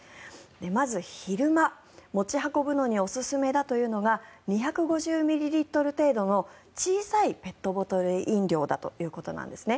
まず、昼間持ち運ぶのにおすすめだというのが２５０ミリリットル程度の小さいペットボトル飲料だということなんですね。